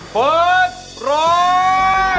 เฟิร์สร้อง